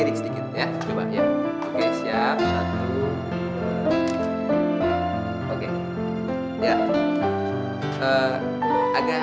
dia itu sudah janda